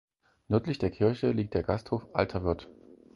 Nördlich der Kirche liegt der Gasthof Alter Wirt.